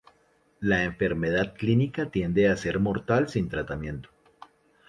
La enfermedad clínica tiende a ser mortal sin tratamiento.